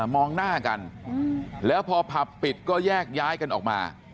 มองหน้ากันแล้วพอผับปิดก็แยกย้ายกันออกมา